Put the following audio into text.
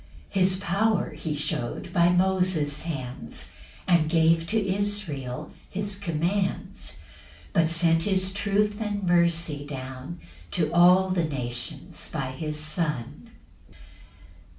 7 [His power he shew'd by Moses' hands, And gave to Israel his commands; But sent his truth and mercy down To all the nations by his Son.